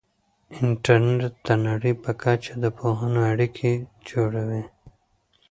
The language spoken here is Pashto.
انټرنیټ د نړۍ په کچه د پوهانو اړیکې جوړوي.